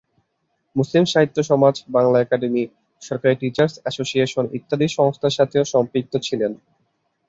মুসলিম Sahitya Samaj, Bangla academy, সরকারি teachers association ইত্যাদি সংস্থার সাথেও সম্পৃক্ত ছিলেন।